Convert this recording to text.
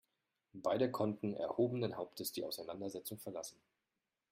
Beide konnten erhobenen Hauptes die Auseinandersetzung verlassen.